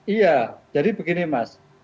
iya jadi begini mas